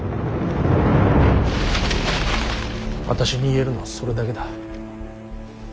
私に言えるのはそれだけだ。